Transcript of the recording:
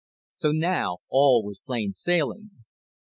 So now all was plain sailing.